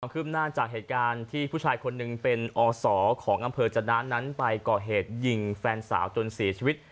ขึ้นหน้าจากเหตุการณ์ที่ผู้ชายคนหนึ่งเป็นอศของอำเภอจนะนั้นไปก่อเหตุยิงแฟนสาวจนเสียชีวิต